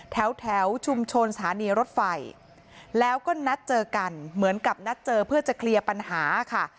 แถวแถวชุมชนสถานีรถไฟแล้วก็นัดเจอกันเหมือนกับนัดเจอเพื่อจะเคลียร์ปัญหาค่ะ